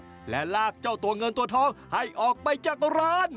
ช่วยกันจับและลากเจ้าตัวเงินตัวทองให้ออกไปจากร้าน